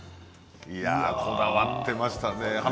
こだわってましたね。